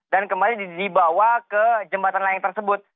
dan kembali dibawa ke jembatan layang tersebut